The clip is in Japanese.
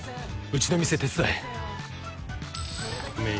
うちの店手伝え。